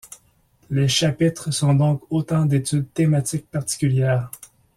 Les chapitres sont donc autant d’études thématiques particulières.